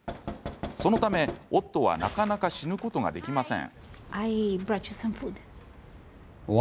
そのため、オットーはなかなか死ぬことができません。